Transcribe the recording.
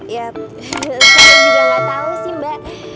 ya saya juga nggak tahu sih mbak